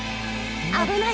危ない。